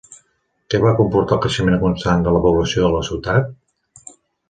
Què va comportar el creixement constant de la població a la ciutat?